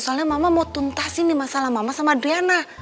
soalnya mama mau tuntasin masalah mama sama adriana